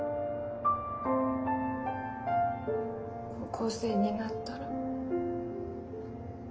高校生になったら。